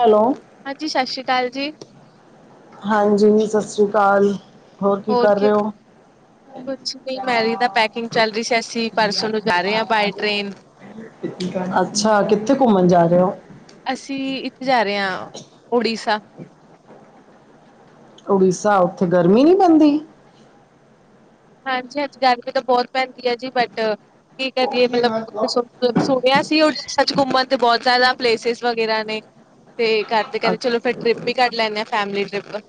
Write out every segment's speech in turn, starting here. Hello. ਹਾਂਜੀ ਸ਼ਸ਼ ਸ਼ ਅਕਾਲ ਜੀ। ਹਾਂਜੀ ਜੀ ਸਤਿ ਸ੍ਰੀ ਅਕਾਲ, ਹੋਰ ਕੀ ਕਰ ਰਹੇ ਹੋ? ਕੁਛ ਨਹੀਂ ਮੈਰੀਦਾ ਪੈਕਿੰਗ ਚੱਲ ਰਹੀ ਸੀ ਅਸੀਂ ਪਰਸੋਂ ਨੂੰ ਜਾ ਰਹੇ ਹਾਂ ਬਾਏ ਟ੍ਰੇਨ। ਅੱਛਾ! ਕਿੱਥੇ ਘੁੰਮਣ ਜਾ ਰਹੇ ਹੋ? ਅਸੀਂ ਇੱਥੇ ਜਾ ਰਹੇ ਹਾਂ, ਉੜੀਸਾ। ਉੜੀਸਾ ਉੱਥੇ ਗਰਮੀ ਨੀ ਪੈਂਦੀ? ਹਾਂਜੀ-ਹਾਂਜੀ ਗਰਮੀ ਤਾਂ ਬਹੁਤ ਪੈਂਦੀ ਹੈ ਜੀ ਬਟ ਕੀ ਕਰੀਏ ਮਤਲਬ [unintelligible] ਸੁਣਿਆ ਸੀ [unintelligible] ਘੁੰਮਣ ਤੇ ਬਹੁਤ ਜ਼ਿਆਦਾ ਪਲੇਸਿਸ ਵਗੈਰਾ ਨੇ। ਤੇ ਕਰਦੇ ਕਹਿੰਦੇ ਚਲੋ ਫਿਰ ਟਰਿਪ ਹੀ ਕਰ ਲੈਂਨਦੇ ਆਂ, ਫੈਮਿਲੀ ਟ੍ਰਿਪ।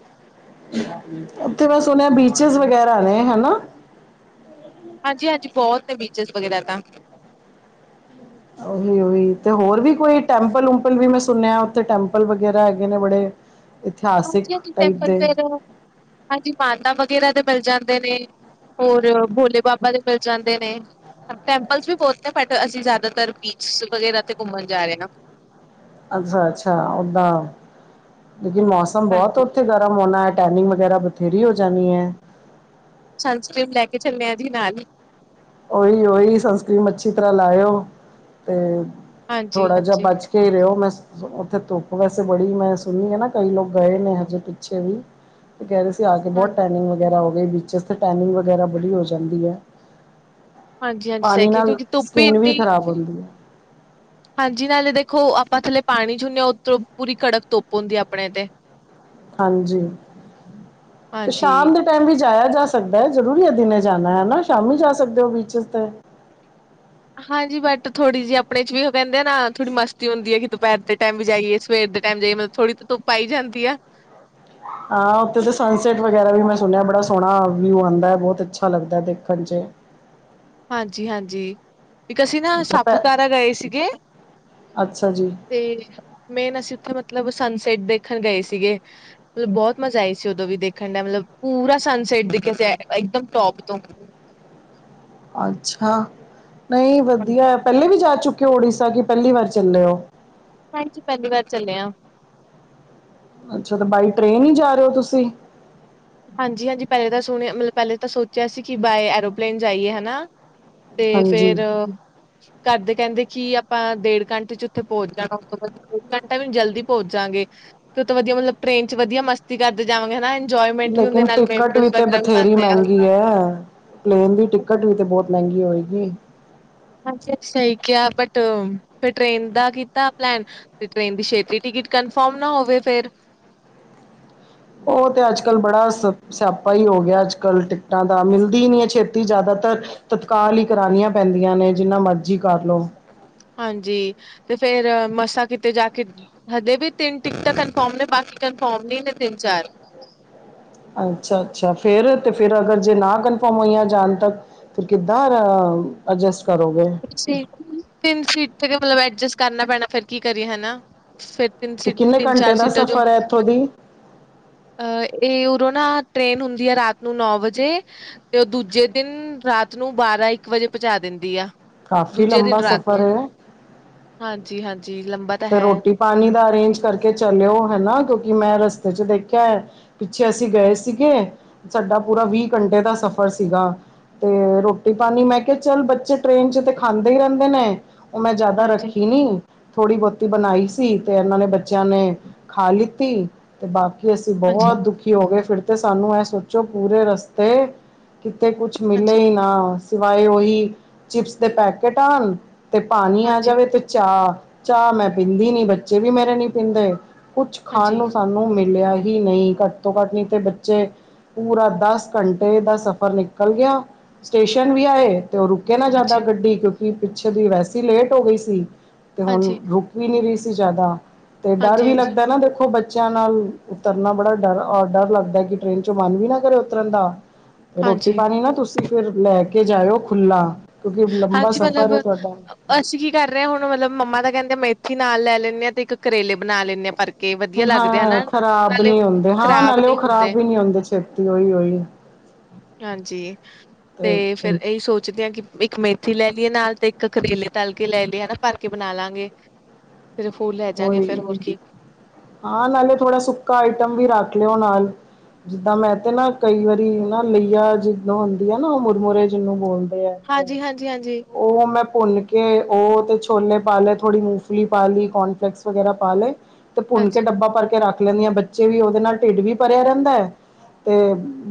ਉੱਥੇ ਮੈਂ ਸੁਣਿਆ ਬੀਚਿਸ ਵਗੈਰਾ ਨੇ ਹਨਾ? ਹਾਂਜੀ-ਹਾਂਜੀ ਬਹੁਤ। ਨੇ ਬੀਚਸ ਵਗੈਰਾ ਤਾਂ [inaudible] ਉਹੀ-ਉਹੀ ਤੇ ਹੋਰ ਵੀ ਕੋਈ ਟੈਂਪਲ ਉਪਲ ਵੀ ਮੈਂ ਸੁਣਿਆ ਉੱਥੇ ਟੈਂਪਲ ਵਗੈਰਾ ਹੈਗੇ ਨੇ ਬੜੇ। ਇਤਿਹਾਸਿਕ ਹਾਂਜੀ ਹਾਂਜੀ ਟਾਈਪ ਟੈਂਪਲ ਦੇ ਫੇਰ ਹਾਂਜੀ ਮਾਤਾ ਵਗੈਰਾ ਦੇ ਮਿਲ ਜਾਂਦੇ ਨੇ ਹੋਰ ਭੋਲੇ ਬਾਬਾ ਦੇ ਮਿਲ ਜਾਂਦੇ ਨੇ ਟੈਂਪਲਸ ਵੀ ਬਹੁਤ ਨੇ ਬਟ ਅਸੀਂ ਜ਼ਿਆਦਾਤਰ ਬੀਚ ਵਗੈਰਾ ਤੇ ਘੁੰਮਣ ਜਾ ਰਹੇ ਹ ਅੱਛਾ ਅੱਛਾ ਓਦਾਂ ਲੇਕਿਨ ਮੌਸਮ ਬਹੁਤ ਹਾਂਜੀ। ਉੱਥੇ ਗਰਮ ਹੋਣਾ ਹੈ ਟੈਨਿੰਗ ਵਗੈਰਾ ਬਥੇਰੀ ਹੋ ਜਾਂਣੀ ਹੈ ਸਨਸਕ੍ਰਰੀਨ ਲੈ ਕੇ ਚੱਲਿਆ ਜੀ ਨਾਲ ਹੀ ਓਹੀ ਓਹੀ ਸਨਸਕ੍ਰੀਮ ਅੱਛੀ ਤਰ੍ਹਾਂ ਲਾਇਓ ਤੇ ਹਾਂਜੀ, ਥੋੜਾ ਜਿਹਾ ਹਾਂਜੀ। ਬਚ ਖੇ ਰਹੇ ਹੋ ਮੈਂ ਉੱਥੇ ਧੁੱਪ ਵੈਸੇ ਬੜੀ ਮੈਂ ਸੁਣੀ ਹੈ ਨਾ ਕਈ ਲੋਕ ਗਏ ਨੇ ਹਜੇ ਪਿੱਛੇ ਵੀ ਤੇ ਕਹਿ ਰਹੇ ਸੀ ਆ ਕੇ ਹਾਂ ਬਹੁਤ ਟਨਿੰਗ ਵਗੈਰਾ ਹੋ ਗਈ ਬਚਿਸ ਤੇ ਟੈਨਿੰਗ ਵਗੈਰਾ ਬੜੀ ਹੋ ਜਾਂਦੀ ਹੈ ਹਾਂਜੀ-ਹਾਂਜੀ ਸਹੀ ਪਾਣੀ ਕਿਹਾ ਨਾਲ ਕਿਉਂਕਿ ਧੁੱਪ ਹੀ ਸਕਿੰਨ ਵੀ ਇੰਨੀ ਖ਼ਰਾਬ ਹੁੰਦੀ ਹੈ। ਹਾਂਜੀ ਨਾਲੇ ਦੇਖੋ ਆਪਾਂ ਥੱਲੇ ਪਾਣੀ ਚੁੰਦੇ ਹਾਂ ਉਤੇ ਓ ਪੂਰੀ ਕੜਕ ਧੁੱਪ ਹੁੰਦੀ ਆਪਣੇ ਤੇ। ਹਾਂਜੀ ਤੇ ਹਾਂਜੀ। ਸ਼ਾਮ ਦੇ ਟਾਈਮ ਵੀ ਜਾਇਆ ਜਾ ਸਕਦਾ ਹੈ ਜ਼ਰੂਰੀ ਅਧਨੇ ਜਾਣਾ ਹੈ ਨਾ ਸ਼ਾਮੀ ਜਾ ਸਕਦੇ ਹੋ ਬੀਚਿਸ ਤੇ। ਹਾਂਜੀ ਬਟ ਥੋੜ੍ਹੀ ਜਿ ਆਪਣੇ ਚ ਵੀ ਉਹ ਕਹਿੰਦੇ ਨਾ ਥੋੜੀ ਮਸਤੀ ਹੁੰਦੀ ਹੈਗੀ ਦੁਪਹਿਰ ਚ ਟਾਈਮ ਵੀ ਜਾਈਏ ਸਵੇਰ ਦੇ ਟਾਈਮ ਜਾਈ ਮਲਬ ਥੋੜੀ ਤਾਂ ਧੁੱਪ ਆਈ ਜਾਂਦੀ ਆ ਹਾਂ ਉੱਥੇ ਤਾਂ ਸਨਸੈਟ ਵਗੈਰਾ ਵੀ ਮੈਂ ਸੁਣਿਆ ਬੜਾ ਸੋਹਣਾ ਵਿਊ ਆਉਂਦਾ ਹੈ ਬਹੁਤ ਅੱਛਾ ਲੱਗਦਾ ਦੇਖਣ ਚ ਹਾਂਜੀ ਹਾਂਜੀ ਇੱਕ ਅਸੀਂ ਨਾ ਅੱਛਾ ਪੈ ਸਾਪੂਤਾਰਾ ਗਏ ਸੀਗੇ ਅੱਛਾ ਜੀ ਤੇ ਮੇਨ ਅਸੀਂ ਉੱਥੇ ਮਤਲਬ ਸਨਸੈਟ ਦੇਖਣ ਗਏ ਸੀਗੇ ਮਤਲਬ ਬਹੁਤ ਮਜ਼ਾ ਆਈ ਸੀ ਉਦੋਂ ਵੀ ਦੇਖਣ ਦਾ ਮਤਲਬ ਪੂਰਾ ਸਨਸੈਟ ਦਿਖਿਆ ਸੀ ਇਕਦਮ ਟੋਪ ਤੋਂ ਅੱਛਾ ਨਹੀਂ ਵਧੀਆ ਪਹਿਲੇ ਵੀ ਜਾ ਚੁੱਕੇ ਹੋ ਉੜੀਸਾ ਕਿ ਪਹਿਲੀ ਵਾਰ ਚੱਲੇ ਹੋ ਹਾਂਜੀ ਪਹਿਲੀ ਵਾਰ ਚੱਲੇ ਆਂ ਅੱਛਾ ਤੇ ਬਾਈ ਟ੍ਰੇਨ ਹੀ ਜਾ ਰਹੇ ਹੋ ਤੁਸੀਂ ਹਾਂਜੀ ਹਾਂਜੀ ਪਹਿਲੇ ਤਾਂ ਸੁਣ ਮਤਲਬ ਪਹਿਲੇ ਤਾਂ ਸੋਚਿਆ ਸੀ ਕਿ ਬਾਏ ਐਰੋਪਲੇਨ ਜਾਈਏ ਹਨਾ ਤੇ ਫੇਰ ਹ ਘਦੇ ਕਹਿੰਦੇ ਕਿ ਆਪਾਂ ਡੇਢ ਘੰਟੇ ਚ ਉੱਥੇ ਪਹੁੰਚ ਜਾਣਾ ਉਸ ਤੋਂ ਬਾਅਦ ਡੇ ਘੰਟਾ ਵੀ ਜਲਦੀ ਪਹੁੰਚ ਜਾਗੇਂ ਤੇ ਉੱ ਵਧੀਆ ਮਤਲਬ ਟ੍ਰੇਨ ਚ ਵਧੀਆ ਮਸਤੀ ਕਰਦੇ ਜਾਵਾਂਗੇ ਹਨਾ ਇੰਜੋਏ ਲੇਕਿਨ ਟਿਕਟ ਵੀ ਤੇ ਬਥੇਰੀ ਮਹਿੰਗੀ ਹੈ ਪਲੇਨ ਦੀ ਆ ਟਿਕਟ ਵੀ ਤੇ ਬਹੁਤ ਮਹਿੰਗੀ ਹੋ ਗਈ ਅੱ ਸਹੀ ਕਿਹਾ ਬਟ ਫਿਰ ਟ੍ਰੇਨ ਦਾ ਕੀਤਾ ਪਲੈਨ ਤੇ ਟ੍ਰੇਨ ਦੀ ਛੇਤੀ ਟਿਕਟ ਕਨਫਰਮ ਨਾ ਹੋਵੇ ਫੇਰ ਉਹ ਤੇ ਅੱਜ ਕਲ ਬੜਾ ਸ ਸਿਆਪਾ ਹੀ ਹੋ ਗਿਆ ਅੱਜ ਕੱਲ੍ਹ ਟਿਕਟਾਂ ਦਾ ਮਿਲਦੀ ਹੀ ਨਹੀ ਹੈ ਛੇਤੀ ਜ਼ਿਆਦਾਤਰ ਤਤਕਾਲ ਹੀ ਕਰਾਣੀਆਂ ਪੈਂਦੀਆਂ ਨੇ ਜਿੰਨਾ ਮਰਜ਼ੀ ਕਰ ਲਓ ਹਾਂਜੀ ਤੇ ਫੇਰ ਮਸਾਂ ਕਿਤੇ ਜਾ ਕੇ ਹਜੇ ਵੀ ਤਿੰਨ ਟਿਕਟਾਂ ਕਨਫਰਮ ਨੇ ਬਾਕੀ ਕਨਫਰਮ ਨਹੀਂ ਨੇ ਤਿੰਨ ਚਾਰ ਅੱਛਾ ਅੱਛਾ ਫੇਰ ਤੇ ਫੇਰ ਅਗਰ ਜੇ ਨਾ ਕਨਫਰਮ ਹੋਈਆਂ ਜਾਣ ਤੱਕ ਫੇਰ ਕਿੱਦਾਂ ਐਡਜਸਟ ਕਰੋਗੇ ਤਿੰਨ ਸੀਟ ਮਤਲਬ ਐਡਜਸਟ ਕਰਨਾ ਪੈਣਾ ਫੇਰ ਕੀ ਕਰੀਏ ਹਨਾ ਫੇਰ ਤਿੰਨ ਤੇ ਸੀ ਕਿੰਨੇ ਤਿੰਨ ਘੰਟੇ ਚਾਰ ਦਾ ਸੀਟਾਂ ਜੋ ਸਫ਼ਰ ਹੈ ਇੱਥੋਂ ਦੀ ਅ ਇਹ ਉਦੋਂ ਨਾ ਟ੍ਰੇਨ ਹੁੰਦੀ ਹੈ ਰਾਤ ਨੂੰ ਨੌ ਵਜੇ ਤੇ ਉਹ ਦੂਜੇ ਦਿਨ ਰਾਤ ਨੂੰ ਬਾਰਾਂ ਇੱਕ ਵਜੇ ਪਹੁੰਚਾ ਦਿੰਦੀ ਆ ਕਾਫੀ ਦੂਜੇ ਦਿਨ ਲੰਬਾ ਰਾਤ ਨੂੰ ਸਫ਼ਰ ਹੈ ਹਾਂਜੀ ਹਾਂਜੀ ਲੰਬਾ ਤਾਂ ਤੇ ਹੈ ਰੋਟੀ ਪਾਣੀ ਦਾ ਅਰੇਂਜ ਕਰਕੇ ਚੱਲਿਓ ਹਨਾ ਕਿਉਂਕਿ ਮੈਂ ਰਸਤੇ ਚ ਦੇਖਿਆ ਹੈ ਪਿੱਛੇ ਅਸੀਂ ਗਏ ਸੀਗੇ ਸਾਡਾ ਪੂਰਾ ਵੀਹ ਘੰਟੇ ਦਾ ਸਫ਼ਰ ਸੀਗਾ ਤੇ ਰੋਟੀ ਪਾਣੀ ਮੈਂ ਕਿਹਾ ਚੱਲ ਬੱਚੇ ਟ੍ਰੇਨ ਚ ਤੇ ਖਾਂਦੇ ਹੀ ਰਹਿੰਦੇ ਨੇ ਉਹ ਮੈਂ ਜਿਆਦਾ ਹਾਂਜੀ ਰੱਖੀ ਨੀ ਥੋੜ੍ਹੀ ਬਹੁਤੀ ਬਣਾਈ ਸੀ ਤੇ ਇਹਨਾਂ ਨੇ ਬੱਚਿਆਂ ਨੇ ਖਾ ਲਿੱਤੀ। ਤੇ ਬਾਕੀ ਅਸੀਂ ਹਾਂਜੀ ਬਹੁਤ ਦੁ ਕੀ ਹੋ ਗਏ ਫਿਰ ਤੇ ਸਾਨੂੰ ਐ ਸੋਚੋ ਪੂਰੇ ਰਸਤੇ ਕਿਤੇ ਕੁਛ ਮਿਲੇ ਹਾਂਜੀ ਹੀ ਨਾ ਸਿਵਾਏ ਉਹੀ ਚਿਪਸ ਦੇ ਪੈਕੇਟ ਆਉਣ ਤੇ ਪਾਣੀ ਆ ਹਾਂਜੀ, ਜਾਵੇ ਤੇ ਚਾਹ। ਚਾਹ ਮੈਂ ਪੀਂਦੀ ਨੀ ਬੱਚੇ ਵੀ ਮੇਰੇ ਨੀ ਪੀਂਦੇ ਕੁਛ ਖਾਣ ਹਾਂਜੀ, ਨੂੰ ਸਾਨੂੰ ਨੂੰ ਮਿਲਿਆ ਹੀ ਨਹੀਂ ਘੱਟ ਤੋਂ ਘੱਟ ਨਹੀਂ ਤੇ ਬੱਚੇ ਪੂਰਾ ਦਸ ਘੰਟੇ ਦਾ ਸਫ਼ਰ ਨਿਕਲ ਗਿਆ, ਸਟੇਸ਼ਨ ਵੀ ਆਏ ਤੇ ਉਹ ਰੁ ਰੁਕੇ ਨਾ ਜਿਆਦਾ ਹਾਂਜੀ, ਗੱਡੀ ਕਿਉਂਕਿ ਪਿੱਛੇ ਦੀ ਵੈਸੀ ਲੇਟ ਹੋ ਗਈ ਸੀ। ਤੇ ਹੁਣ ਹਾਂਜੀ, ਰੁਕ ਵੀ ਨੀ ਰਹੀ ਸੀ ਜ਼ਿਆਦਾ ਤੇ ਡਰ ਹਾਂਜੀ, ਵੀ ਲੱਗਦਾ ਨਾ ਦੇਖੋ ਬੱਚਿਆਂ ਨਾਲ ਉਤਰਨਾ ਬੜਾ ਡਰ ਰ ਡਰ ਲੱਗਦਾ ਕਿ ਟ੍ਰਰੇਨ ਚ ਮਨ ਵੀ ਨਾ ਕਰੇ ਉਤਰਨ ਦਾ ਰੋਟੀ ਹਾਂਜੀ, ਹਾਂਜੀ, ਪਾਣੀ ਨਾ ਤੁਸੀਂ ਫਿਰ ਲੈ ਕੇ ਜਾਇਓ ਖੁੱਲਾ, ਕਿਉਂਕਿ ਲੰਬਾ ਹਾਂਜੀ ਸਫ਼ਰ ਮਤਲਬ ਏ ਤੁਹਾਡਾ। ਅਸੀਂ ਕੀ ਕਰ ਰਹੇ ਹਾਂ ਹੁਣ, ਮਤਲਬ ਮੰਮਾ ਤਾਂ ਕਹਿੰਦੇ ਮੇਥੀ ਨਾਲ ਲੈ ਲੈਂਦੇ ਹਾਂ ਤੇ ਇੱਕ ਕਰੇਲੇ ਬਣਾ ਲੈਂਦੇ ਹਾਂ ਭਰ ਹਾਂ ਖ਼ਰਾਬ ਨੀ ਹੁੰਦੇ ਹਾਂ ਖ਼ਰਾਬ ਨਾਲੇ ਉਹ ਨਹੀਂ ਖ਼ਰਾਬ ਵੀ ਨਹੀਂ ਹੁੰਦੇ ਛੇਤੀ ਉਹੀ ਉਹੀ ਹਾਂਜੀ ਤੇ ਫੇਰ ਇਹੀ ਸੋਚਦੇ ਹਾਂ ਕਿ ਇੱਕ ਮੇਥੀ ਲੈ ਲਈਏ ਨਾਲ ਤੇ ਇੱਕ ਕਰੇਲੇ ਤਲ ਕੇ ਲੈ ਲਈਏ ਹਨਾ ਭਰ ਕੇ ਬਣਾ ਲਾਂਗੇ ਫਿਰ ਫੂ ਲੈ ਜਾਂਗੇ ਫੇਰ ਉਹੀ ਹੋਰ ਕੀ ਹਾਂ ਨਾਲੇ ਥੋੜਾ ਸੁੱਕਾ ਆਈਟਮ ਵੀ ਰੱਖ ਲਿਓ ਨਾਲ ਜਿੱਦਾਂ ਮੈਂ ਤੇ ਨਾ ਕਈ ਵਾਰੀ ਨਾ ਲੀਆ ਜਿਦੋਂ ਹੁੰਦੀ ਆ ਨਾ ਉਹ ਮੁਰਮੁਰੇ ਜਿਹਨੂੰ ਬੋਲਦੇ ਐ ਹਾਂਜੀ ਹਾਂਜੀ ਹਾਂਜੀ। ਉਹ ਮੈਂ ਭੁੰਨ ਕੇ ਉਹ ਤੇ ਛੋਲੇ ਪਾ ਲਏ ਥੋੜ੍ਹੀ ਮੂੰਗਫਲੀ ਪਾ ਲਈ, ਕੋਨਫਲੇੈਕਸ ਵਗੈਰਾ ਪਾ ਲਏ। ਤੇ ਭੁੰਨ ਕੇ ਹਾਂਜੀ, ਡੱਬਾ ਭਰ ਕੇ ਰੱਖ ਲੈਂਦੀਆਂ ਬੱਚੇ ਵੀ ਉਹਦੇ ਨਾਲ ਢਿੱਡ ਵੀ ਭਰਿਆ ਰਹਿੰਦਾ ਐ। ਤੇ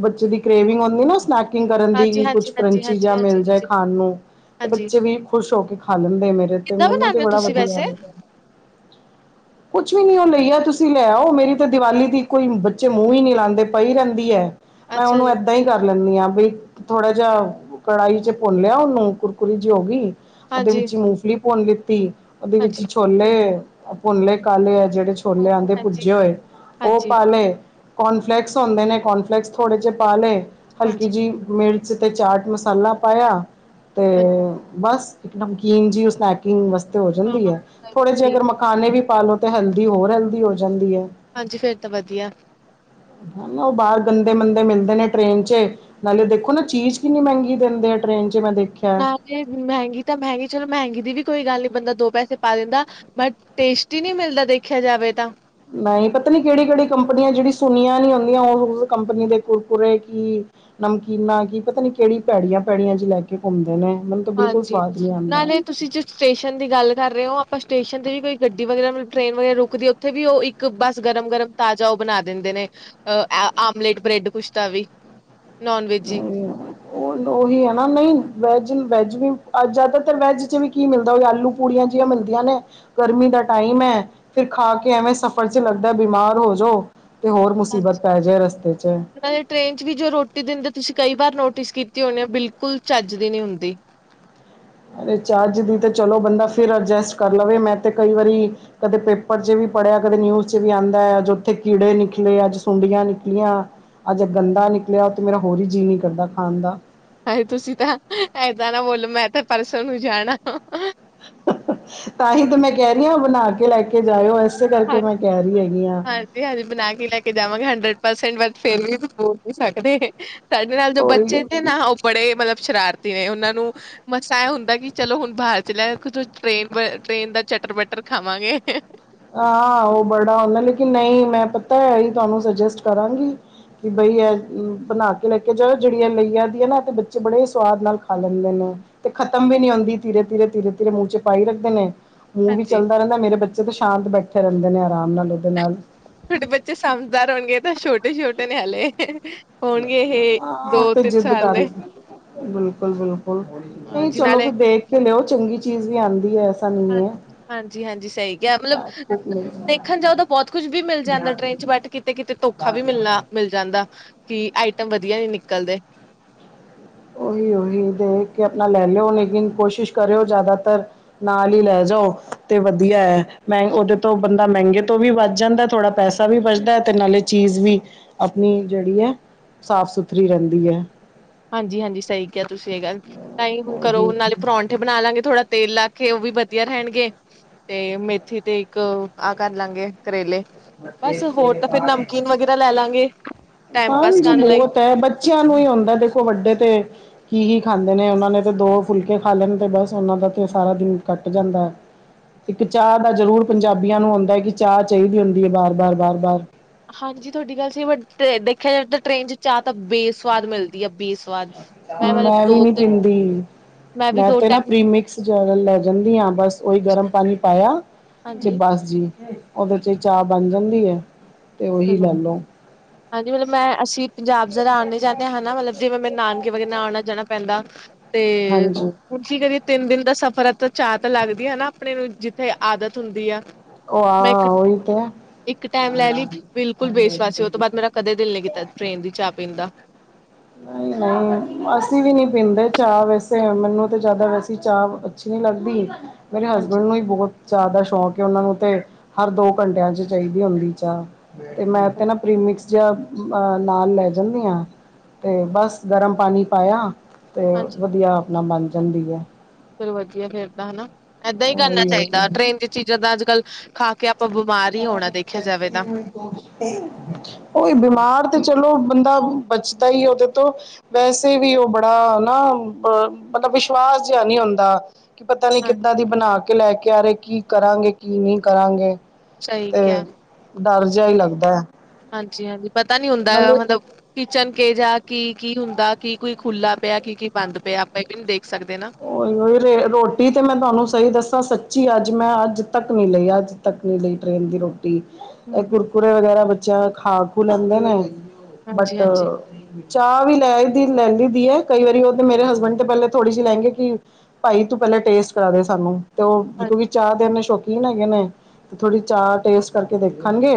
ਬੱਚੇ ਦੀ ਕ੍ਰੇਵਿੰਗ ਹੁੰਦੀ ਨਾ ਸਨੈਕ ਕੁਕਿੰਗ ਕਰਨ ਦੀ ਹਾਂਜੀ, ਕਿ ਕੁਛ ਹਾਂਜੀ, ਹਾਂਜੀ, ਕਰੰਚੀ ਹਾਂਜੀ, ਜਾਂ ਮਿਲ ਜਾਏ ਖਾਣ ਨੂੰ ਤੇ ਹਾਂਜੀ ਬੱਚੇ ਵੀ ਖੁਸ਼ ਹੋ ਕੇ ਖਾ ਲੈਂਦੇ ਮੇਰੇ ਫੇਰ ਤੇ ਕਿੱਦਾਂ ਮੈਨੂੰ ਤੇ ਬਣਾਉਂਦੇ ਹੋ ਬੜਾ ਤੁਸੀਂ ਵਧੀਆ ਵੈਸੇ ਕੁਛ ਵੀ ਨਹੀਂ ਉਹ ਲਈ ਆ ਤੁਸੀਂ ਲੈ ਆਓ ਮੇਰੀ ਤਾਂ ਦਿਵਾਲੀ ਦੀ ਕੋਈ ਬੱਚੇ ਮੂੰਹ ਹੀ ਨਹੀਂ ਲਾਉਂਦੇ ਪਈ ਰਹਿੰਦੀ ਐ। ਮੈਂ ਅੱਛਾ ਉਹਨੂੰ ਜੀ ਏਦਾਂ ਹੀ ਕਰ ਲੈਂਦੀ ਆ, ਬਈ ਥੋੜਾ ਜਿਹਾ ਕੜਾਹੀ ਚ ਭੁੰਨ ਲਿਆ ਉਹਨੂੰ ਕੁਰਕੁਰੀ ਜੀ ਹੋ ਗਈ, ਉਹਦੇ ਹਾਂਜੀ, ਵਿੱਚ ਹੀ ਮੂੰਗਫਲੀ ਭੁੰਨ ਲਿੱਤੀ, ਉਹਦੇ ਵਿੱਚ ਹਾਂਜੀ, ਛੋ ਲੇ ਭੁਨਲੇ ਕਾਲੇ ਆ ਜਿਹੜੇ ਛੋਲੇ ਹਾਂਜੀ, ਆਂਦੇ ਹਾਂਜੀ, ਭੁੱਜੇ ਹੋਏ ਉਹ ਹਾਂਜੀ ਪਾਲੇ ਕੋਨਫਲੈਕਸ ਹੁੰਦੇ ਨੇ, ਕੋਨਫਲੈਕਸ ਥੋੜੇ ਜਿਹੇ ਪਾ ਲਏ ਹਲਕੀ ਹਾਂਜੀ, ਜਿਹੀ ਮਿਰ ਜਿੱਥੇ ਚਾਟ ਮਸਾਲਾ ਪਾਇਆ। ਅੱਛਾ ਹੂੰ ਬਸ ਇੱਕ ਨਮਕੀਨ ਜਿਹੀ ਸਨੈਕਿੰਗ ਵਾਸਤੇ ਹੋ ਹਾਂ ਜਾਂਦੀ ਹਾਂ, ਐ ਥੋੜੇ ਜਿਹੇ ਅਗਰ ਠੀਕ ਮ ਆ, ਮਖਾਣੇ ਵੀ ਪਾ ਲੋ ਤੇ ਹੈਲਦੀ ਹੋਰ ਹੈਲਦੀ ਹੋ ਜਾਂਦੀ ਏ। ਹਾਂਜੀ ਫੇਰ ਤਾਂ ਵਧੀਆ ਉਹ ਬਾਹਰ ਗੰਦੇ -ਮੰੰਦੇ ਮਿਲਦੇ ਨੇ ਟ੍ਰੇਨ 'ਚ ਨਾਲੇ ਦੇਖੋ ਨਾ ਚੀਜ਼ ਕਿੰਨੀ ਮਹਿੰਗੀ ਦਿੰਦੇ ਆ ਟ੍ਰਰੇਨ 'ਚ ਮੈਂ ਦੇਖ ਨਾ ਜੇ ਮਹਿੰਗੀ ਤਾਂ ਮਹਿੰਗੀ ਚਲੋ ਮਹਿੰਗੀ ਦੀ ਵੀ ਕੋਈ ਗੱਲ ਨਹੀਂ ਬੰਦਾ ਦੋ ਪੈਸੇ ਪਾ ਦਿੰਦਾ। ਬਟ ਟੇਸਟੀ ਨਹੀਂ ਮਿਲਦਾ ਦੇਖਿਆ ਜਾਵੇ ਤਾਂ ਨਹੀਂ ਪਤਾ ਨੀ ਕਿਹੜੀ- ਕਿਹੜੀ ਕੰਪਨੀਆਂ ਜਿਹੜੀ ਸੁਣੀਆਂ ਨੀ ਹੁੰਦੀਆਂ ਉਸ ਕੰਪਨੀ ਦੇ ਕੁਰਕੁਰੇ ਕੀ ਨਮਕੀਨਾ ਕੀ ਪਤਾ ਨੀ ਕਿਹੜੀ ਭੈੜੀਆਂ- ਭੈੜੀਆਂ ਜੀ ਲੈ ਕੇ ਘੁੰਮਦੇ ਨੇ ਮੈਨੂੰ ਤਾਂ ਬਿਲਕੁਲ ਹਾਂਜੀ। ਸਵਾਦ ਨੀ ਆਉਂਦਾ। ਨਾਲੇ ਤੁਸੀਂ ਜਿਸ ਸਟੇਸ਼ਨ ਦੀ ਗੱਲ ਕਰ ਰਹੇ ਓ ਆਪਾਂ ਸਟੇਸ਼ਨ ਤੇ ਵੀ ਕੋਈ ਗੱਡੀ ਵਗੈਰਾ ਟ੍ਰੇਨ ਵਗੈਰਾ ਰੁਕਦੀ ਉੱਥੇ ਵੀ ਉਹ ਇੱਕ ਬਸ ਗਰਮ -ਗਰਮ ਤਾਜ਼ਾ ਉਹ ਬਣਾ ਦਿੰਦੇ ਨੇ ਅ ਆਮਲੇਟ ਬ੍ਰੈਡ ਕੁਛ ਤਾ ਵੀ ਨੋਨ ਵੈਜੀ ਨਹੀਂ ਉਹ ਉਹੀ ਆ ਨਾ ਨਹੀਂ ਵੈਜ- ਵੈਜ ਵੀ ਜ਼ਿਆਦਾਤਰ ਵੈਜ 'ਚ ਵੀ ਕੀ ਮਿਲਦਾ ਉਹੀ ਆਲੂ ਪੂੜੀਆਂ ਜਿਹੀਆਂ ਮਿਲਦੀਆਂ ਨੇ ਗਰਮੀ ਦਾ ਟਾਈਮ ਐ ਫਿਰ ਖਾ ਕੇ ਐਵੇਂ ਸਫ਼ਰ ਚ ਲੱਗਦਾ ਬਿਮਾਰ ਹੋ ਜਾਓ। ਤੇ ਹੋਰ ਮੁਸੀਬਤ ਪੈ ਜਾਏ ਰਸਤੇ 'ਚ ਨਾਲੇ ਟ੍ਰੇਨ 'ਚ ਵੀ ਜੋ ਰੋਟੀ ਦਿੰਦੇ ਤੁਸੀਂ ਕਈ ਵਾਰ ਨੋਟਿਸ ਕੀਤੀ ਹੋਣੀ ਐ ਬਿਲਕੁਲ ਚੱਜ ਦੀ ਨੀ ਹੁੰਦੀ। ਅ ਚਾਰਜ ਦੀ ਤੇ ਚਲੋ ਬੰਦਾ ਫਿਰ ਅਡਜਸਟ ਕਰ ਲਵੇ ਮੈਂ ਤੇ ਕਈ ਵਾਰੀ ਕਦੇ ਪੇਪਰ 'ਚ ਵੀ ਪੜ੍ਹਿਆ ਕਦੇ ਨਿਊਜ਼ ਚ ਵੀ ਆਉਂਦਾ ਅੱਜ ਉੱਥੇ ਕੀੜੇ ਨਿਕਲੇ ਅੱਜ ਸੁੰਡੀਆਂ ਨਿਕਲੀਆਂ। ਅੱਜ ਗੰਦਾ ਨਿਕਲਿਆ ਉਹ ਤਾਂ ਮੇਰਾ ਹੋਰ ਹੀ ਜੀਅ ਨਹੀਂ ਕਰਦਾ ਖਾਣ ਦਾ। ਹਏ ਤੁਸੀਂ ਤਾਂ ਏਦਾਂ ਨਾ ਬੋਲੋ ਮੈਂ ਤਾਂ ਪਰਸੋਂ ਨੂੰ ਜਾਣਾ। [inaudible] [inaudible] ਤਾਂਹੀ ਤੇ ਮੈਂ ਕਹਿ ਰਹੀ ਹਾਂ ਬਣਾ ਕੇ ਲੈ ਕੇ ਜਾਇਓ ਇਸੇ ਕਰਕੇ ਮੈਂ ਕਹਿ ਰਹੀ ਹੈਗੀ ਹਾਂ। ਹਾਂਜੀ ਬਣਾ ਕੇ ਲੈ ਕੇ ਜਾਵਾਂਗੇ ਹੰਡਰਡ ਪਰਸੈਂਟ ਵਦ ਫੇਰ ਵੀ ਬੋਲ ਨੀ ਸਕਦੇ। ਸਾਡੇ ਨਾਲ ਜੋ ਉਹੀ ਬੱਚੇ ਤੇ ਨਾ ਉਹ ਬੜੇ ਮਤਲਬ ਸ਼ਰਾਰਤੀ ਨੇ ਉਹਨਾਂ ਨੂੰ ਮਸਾਂ ਇਹ ਹੁੰਦਾ ਕਿ ਚਲੋ ਹੁਣ ਬਾਹਰ 'ਚ ਲੈ ਟ੍ਰੇਨ -ਟ੍ਰੇਨ ਦਾ ਚਟਰ ਬਟਰ ਖਾਵਾਂਗੇ। ਹਾਂ ਉਹ ਬੜਾ ਹੁੰਦਾ ਲੇਕਿਨ ਨਹੀਂ ਮੈਂ ਪਤਾ ਇਹੀ ਮੈਂ ਤੁਹਾਨੂੰ ਸੁਜੈਸਟ ਕਰਾਂਗੀ। ਕਿ ਬਈ ਇਹ ਬਣਾ ਕੇ ਲੈ ਕੇ ਜਾਓ ਜਿਹੜੀ ਇਹ ਲਈ ਆਦੀ ਹੈ ਨਾ ਤੇ ਬੱਚੇ ਬੜੇ ਸਵਾਦ ਨਾਲ ਖਾ ਲੈਂਦੇ ਨੇ। ਤੇ ਖਤਮ ਵੀ ਨੀ ਹੁੰਦੀ ਧੀਰੇ- ਧੀਰੇ -ਧੀਰੇ- ਧੀਰੇ ਮੂੰਹ 'ਚ ਪਾਈ ਰੱਖਦੇ ਨੇ। ਮੂੰਹ ਵੀ ਹਾਂਜੀ ਚੱਲਦਾ ਰਹਿੰਦਾ ਮੇਰੇ ਬੱਚੇ ਤਾਂ ਸ਼ਾਂਤ ਬੈਠੇ ਰਹਿੰਦੇ ਨੇ ਆਰਾਮ ਨਾਲ ਇਹਦੇ ਨਾਲ ਤੁਹਾਡੇ ਬੱਚੇ ਸਮਝਦਾਰ ਹੋਣਗੇ ਤਾਂ ਛੋਟੇ -ਛੋਟੇ ਨੇ ਹਲੇ ਹੋਣਗੇ ਇਹ ਹਾਂ ਉਹ ਦੋ ਤੇ ਤਿੰਨ ਜਿੱਦ ਸਾਲ ਕਰ ਦੇ ਬਿਲਕੁਲ- ਬਿਲਕੁਲ ਨਹੀਂ ਹਾਂਜੀ ਚਲੋ ਫਰ ਨਾਲੇ ਦੇਖ ਕੇ ਲਿਓ ਚੰਗੀ ਚੀਜ਼ ਵੀ ਆਉਂਦੀ ਹੈ। ਹਾਂ ਨਹੀਂ ਹੈ ਹਾਂਜੀ- ਹਾਂਜੀ ਸਹੀ ਕਿਹਾ ਮਤਲਬ ਦੇਖਣ ਜਾਓ ਤਾਂ ਬਹੁਤ ਕੁੱਝ ਵੀ ਮਿਲ ਜਾਂਦਾ ਅੰਦਰ ਟ੍ਰਰੇਨ 'ਚ ਬੈਠ ਕਿਤੇ ਕਿਤੇ ਧੋਖਾ ਵੀ ਮਿਲਣਾ ਮਿਲ ਜਾ ਜਾਂਦਾ ਕੀ ਆਈਟਮ ਵਧੀਆ ਨੀ ਨਿਕਲਦੇ। ਓਹੀ- ਓਹੀ ਦੇਖ ਕੇ ਆਪਣਾ ਲੈ ਲਿਓ ਲੇਕਿਨ ਕੋਸ਼ਿਸ਼ ਕਰਿਓ ਜ਼ਿਆਦਾਤਰ ਨਾਲ ਹੀ ਲੈ ਜਾਓ ਤੇ ਵਧੀਆ ਹੈ ਮੈਂ ਉਹਦੇ ਤੋਂ ਬੰ ਮਹਿੰਗੇ ਤੋਂ ਵੀ ਬਚ ਜਾਂਦਾ ਥੋੜਾ ਪੈਸਾ ਵੀ ਬਚਦਾ ਤੇ ਨਾਲੇ ਚੀਜ਼ ਵੀ ਆਪਣੀ ਜਿਹੜੀ ਹੈ ਸਾਫ ਸੁਥਰੀ ਰਹਿੰਦੀ ਏ। ਹਾਂਜੀ- ਹਾਂਜੀ ਸਹੀ ਕਿਹਾ ਤੁਸੀਂ ਇਹ ਗੱਲ ਤਾਂ ਹੀ ਹੁਣ ਘਰੋ ਉਹੀ ਉਹ ਨਾਲੇ ਪ੍ਰੌ ਪੱਠੇ ਬਣਾ ਲਵਾਂਗੇ ਥੋੜਾ ਤੇਲ ਲਾ ਕੇ ਉਹ ਵੀ ਵਧੀਆ ਰਹਿਣਗੇ ਤੇ ਮੇਥੀ ਤੇ ਇੱਕ ਆਹ ਕਰ ਲਾਂਗੇ ਕਰੇਲੇ ਬਸ ਹੋਰ ਤਾਂ ਫਿਰ ਨਮਕੀਨ ਵਗੈਰਾ ਲੈ ਲਾਂਗੇ ਟਾਈਮ ਪਾਸ ਹਾਂਜੀ ਕਰਨ ਲਈ। ਬਹੁਤ ਹੈ ਬਟ ਬੱਚਿਆਂ ਨੂੰ ਹੀ ਆਉਂਦਾ ਦੇਖੋ ਵੱਡੇ ਤੇ ਕੀ ਹੀ ਖਾਂਦੇ ਨੇ ਉਹਨਾਂ ਨੇ ਤਾਂ ਦੋ ਫੁਲਕੇ ਖਾ ਲੈਣ ਅਤੇ ਬਸ ਉਹਨਾਂ ਦਾ ਤਾਂ ਸਾਰਾ ਦਿਨ ਕੱਟ ਜਾਂਦਾ। ਇੱਕ ਚਾਹ ਦਾ ਜ਼ਰੂਰ ਪੰਜਾਬੀਆਂ ਨੂੰ ਆਉਂਦਾ ਹੈ ਕਿ ਚਾਹ ਚਾਹੀਦੀ ਹੁੰਦੀ ਹੈ ਬਾਰ-ਬਾਰ-ਬਾਰ ਬਾਰ ਹਾਂਜੀ ਤੁਹਾਡੀ ਗੱਲ ਸੀ ਬਟ ਦੇਖਿਆ ਜਾਵੇ ਤਾਂ ਟ੍ਰੇਨ 'ਚ ਚਾਹ ਤਾਂ ਬੇਸਵਾਦ ਮਿਲਦੀ ਹੈ ਬੇਸਵਾਦ ਮਤਲਬ ਮੈਂ ਵੀ ਦੋ ਨੀ ਤਿੰਨ ਪੀਂਦੀ ਵੀ ਮੈਂ ਦੋ ਤੇ ਨਾ ਟਾਈਮ ਪ੍ਰੀਮਿ ਜ ਲੈ ਜਾਂਦੀ ਹਾਂ ਬਸ ਓਹੀ ਗਰਮ ਪਾਣੀ ਪਾਇਆ ਤੇ ਹਾਂਜੀ ਬਸ ਜੀ। ਉਹਦੇ 'ਚ ਹੀ ਚਾਹ ਬਣ ਜਾਂਦੀ ਹੈ ਅਤੇ ਉਹੀ ਲੈ ਲਉ। ਹਾਂਜੀ ਮਤਲਬ ਮੈਂ ਅਸੀਂ ਪੰਜਾਬ ਜ਼ਰਾ ਆਉਣੇ ਜਾਂਦੇ ਹਨਾ ਮਤਲਬ ਜਿਵੇਂ ਮੇਰੇ ਨਾਨਕੇ ਵਗੈਰਾ ਨਾਲ ਆਉਣਾ ਜਾਣਾ ਪੈਂਦਾ। ਤੇ ਹਾਂਜੀ ਹਕ ਕਦੀਏ ਤਿੰਨ ਦਿਨ ਦਾ ਸਫ਼ਰ ਹੈ ਤਾਂ ਚਾਅ ਤਾਂ ਲੱਗਦੀ ਹਨਾ ਆਪਣੇ ਨੂੰ ਜਿੱਥੇ ਆਦਤ ਹੁੰਦੀ ਆ ਉਹ ਮੈਂ ਆ ਇੱਕ ਉਹੀ ਤੇ ਹੈ ਇੱਕ ਟਾਈਮ ਲੈ ਲਈ ਬਿਲਕੁਲ ਬੇਸ਼ਵਾਾਸੀ ਉਹ ਤੋਂ ਬਾਅਦ ਮੇਰਾ ਕਦੇ ਦਿਲ ਨ ਨਹੀਂ ਕੀਤਾ ਟ੍ਰੇਨ ਦੀ ਚਾਹ ਪੀਣ ਦਾ ਹਾਂ ਨਹੀਂ ਅਸੀਂ ਵੀ ਨਹੀਂ ਪੀਂਦੇ ਚਾਹ ਵੈਸੇ ਮੈਨੂੰ ਤਾਂ ਜ਼ਿਆਦਾ ਵੈਸੀੇ ਚਾਹ ਅੱਛੀ ਨਹੀਂੀ ਲੱਗਦੀ ਮੇਰੇ ਹਸਬੈਂਡ ਨੂੰ ਹੀ ਬਹੁਤ ਚਾਹ ਦਾ ਸ਼ੌਂਕ ਹੈ ਉਹਨਾਂ ਨੂੰ ਤੇ ਹਰ ਦੋ ਘੰਟਿਆਂ ਚ ਚਾਹੀਦੀ ਹੁੰਦੀ ਚਾਹ ਤੇ ਮੈਂ ਤੇ ਨਾ ਪ੍ਰੀਮਿਕਸ ਜ ਨਾਲ ਲੈ ਜਾਂਦੀ ਹਾਂ ਅਤੇ ਬਸ ਗਰਮ ਪਾਣੀ ਪਾਇਆ ਅਤੇ ਵਧੀਆ ਆਪਣਾ ਬਣ ਜਾਂਦੀ ਹੈ ਫਿਰ ਵਧੀਆ ਫੇਿਰਦਾ ਹਨਾ ਏਦਾਂ ਹੀ ਕਰਨਾ ਉਹੀ ਚਾਹੀਦਾ ਟ੍ਰੇਨ ਚ ਚੀਜ਼ਾਂ ਦਾ ਅੱਜ ਕੱਲ ਖਾ ਕੇ ਆਪਾਂ ਬਿਮਾਰ ਹੀ ਹੋਣਾ ਦੇਖਿਆ ਜਾਵੇ ਤਾਂ ਹੀ ਬਿਮਾਰ ਤੇ ਚਲੋ ਬੰਦਾ ਬਚਦਾ ਹੀ ਉਹਦੇ ਤੋਂ ਵੈਸੇ ਵੀ ਉਹ ਬੜਾ ਨਾ ਅ ਮਤਲਬ ਵਿਸ਼ਵਾਸ ਜਿਹਾ ਨਹੀਂ ਹੁੰਦਾ ਕਿ ਪਤਾ ਨੀ ਹਾਂ ਕਿੱਦਾਂ ਦੀ ਬਣਾ ਕੇ ਲੈ ਕੇ ਆ ਰਹੇ ਕੀ ਕਰਾਂਗੇ ਕੀ ਨਹੀਂ ਕਰਾਂਗੇ ਸਹੀ ਤੇ ਕਿਹਾ ਹੈ ਡਰ ਜਿਹਾ ਹੀ ਲੱਗਦਾ ਹੈ ਹਾਂਜੀ ਹਾਂਜੀ ਪਤਾ ਨੀ ਹੁੰਦਾ ਨਾਲੇ ਮਤਲਬ ਕਿਚਨ ਕਿ ਜਾਹਾ ਕੀ ਕੀ ਹੁੰਦਾ ਕੀ ਕੋਈ ਖੁੱਲਲਾ ਪਿਆ ਕੀ ਕੀ ਬੰਦ ਪਿਆ ਆਪਾਂ ਇਹ ਵੀ ਨੀ ਦੇਖ ਸਕਦੇ ਨਾ ਉਓਹੀ ਉਹੀ ਰ ਰੋਟੀ ਤੇ ਮੈਂ ਤੁਹਾਨੂੰ ਸਹੀ ਦੱਸਾਂ ਸੱਚੀ ਅੱਜ ਮੈਂ ਅੱਜ ਤੱਕ ਨਹੀਂੀ ਲਈ ਅੱਜ ਤੱਕਣੀ ਲਈ ਟ੍ਰੇਨ ਦੀ ਰੋਟੀ ਇਹ ਕੁਰਕੁੁਰੇ ਵਗੈਰਾ ਬੱਚਿਆਂ ਖਾ ਖੂ ਲੈਂਦੇ ਨੇ ਬਟ ਹਾਂਜੀ-ਹਾਂਜੀ, ਚਾਹ ਵੀ ਲੈ ਦੀ ਲੈ ਲਈਦੀ ਹੈ ਕਈ ਵਾਰੀ ਉਹ ਤੇ ਮੇਰੇ ਹਸਬੈਂਡ ਤੇ ਪਹਿਲੇ ਥੋੜ੍ਹੀ ਜਿ ਲਗੇ ਕਿ ਭਾਈ ਤੂੰ ਪਹਿਲਾਂ ਟੇਸਟ ਕਰਾ ਦੇ ਸਾਨੂੰ ਤੇ ਹਾਂ ਉਹਕਿ ਚਾਹ ਦੇ ਇੰਨੇ ਸ਼ੌਕੀਨ ਹੈਗੇ ਨੇ ਤੇ ਥੋੜ੍ਹੀ ਚਾਹ ਟੇਸਟ ਕਰਕੇ ਦੇਖਣਗੇ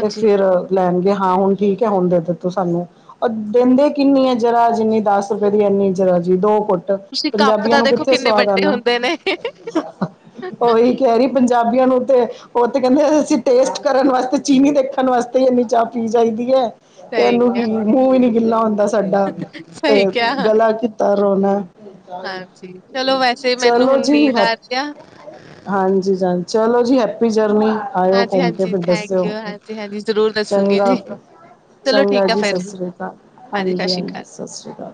ਤੇ ਫਿਰ ਲੈਣਗੇ ਹਾਂ ਹੁਣ ਠੀਕ ਹੈ ਹੁਣ ਦੇ ਦਿੱ ਤੋ ਸਾਨੂੰ ਉਹ ਦਿੰਦੇ ਕਿੰਨੀ ਹੈ ਜਰਾ ਜਿੰਨੀ ਦਸ ਰੁਪਏ ਦੀ ਇੰਨੀ ਜਰਾ ਜ ਦੋ ਕੁੁੱਟ ਤੁਸੀਂ ਕੱਪ ਪੰਜਾਬੀਆਂ ਤਾਂ ਨੂੰ ਦੇਖੋ ਕਿੱਥੇ ਕਿੰਨੇ ਸਵਾਦ ਵੱਡੇ ਆਉਨਾ ਹੁੰਦੇ ਨੇ। ਉਹੀ ਕਹਿਰੀ ਪੰਜਾਬੀਆਂ ਨੂੰ ਤੇ ਉਹ ਤੇ ਕਹਿੰਦੇ ਅਸੀਂ ਟੇਸਟ ਕਰਨ ਵਾਸਤੇ ਚੀਨੀ ਦੇਖਣ ਵਾਸਤੇ ਤੇ ਇੰਨੀ ਚਾਹ ਪੀ ਚਾਹੀਦੀ ਹੈ ਤੇ ਸਹੀ ਇਹਨੂੰ ਕਿਹਾ, ਕੀ ਮੂੰਹ ਵੀ ਨੀ ਗਿੱਲਾ ਹੁੰਦਾ ਸਾਡਾ ਤੇ ਸਹੀ ਕਿਹਾ ਗਲਾ ਕੀਤਾ ਰੋਣਾ ਹਾਂਜੀ ਚਲੋ ਵੈਸੇ ਮੈਨੂੰ ਚਲੋ ਹੁਣ ਜੀ ਨੀਂਦ ਹੈ ਆ ਰਹੀ ਆ ਹਾਂਜੀ ਚਲੋ ਜੀ ਹੈਪੀ ਜਰਨੀ ਆਇਓ ਘੁੰਮ ਕੇ ਹਾਂਜੀ-ਹਾਂਜੀ ਫਿਰ ਥੈਂਕ ਯੂ ਦੱਸਿਓ ਹਾਂਜੀ-ਹਾਂਜੀ ਜ਼ਰੂਰ ਦੱਸੂਗੀ ਚੰਗਾ ਜੀ। ਫ ਚਲੋ ਚੰਗਾ ਠੀਕ ਆ ਜੀ ਸਤਿ ਫੇਰ ਸ਼੍ਰੀ ਅਕਾਲ ਸਤਿ ਹਾਂਜੀ ਸ਼੍ਰੀ ਅਕਾਲ। ਹਾਂਜੀ ਸਤਿ ਸ਼੍ਰੀ ਅਕਾਲ